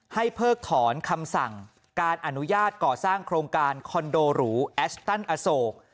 เพิกถอนคำสั่งการอนุญาตก่อสร้างโครงการคอนโดหรูแอชตันอโศก